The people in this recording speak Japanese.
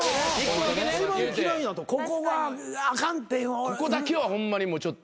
ここだけはホンマにもうちょっと。